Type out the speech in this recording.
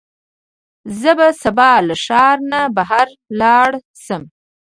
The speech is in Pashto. زه به سبا له ښار نه بهر لاړ شم.